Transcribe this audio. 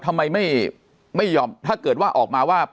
ทำไมไม่ยอมถ้าเกิดว่าออกมาว่า